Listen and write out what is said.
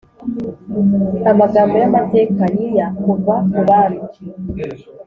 amagambo yamateka year kuva kubami